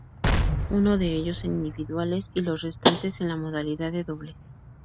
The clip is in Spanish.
Uno de ellos en individuales y los restantes en la modalidad de dobles.